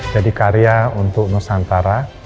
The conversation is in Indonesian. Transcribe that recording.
jadi karya untuk nusantara